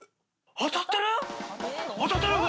当たってる！